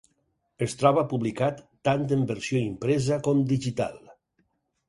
Es troba publicat tant en versió impresa com digital.